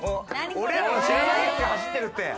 俺らの知らないやつが走ってるって。